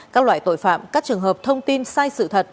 các loại tội phạm các trường hợp thông tin sai sự thật